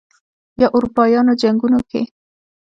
یا اروپايانو جنګونو کې